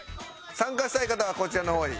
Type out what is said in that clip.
参加したい方はこちらの方に。